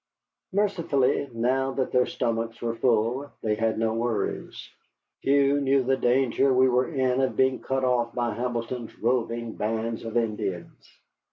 Mercifully, now that their stomachs were full, they had no worries. Few knew the danger we were in of being cut off by Hamilton's roving bands of Indians.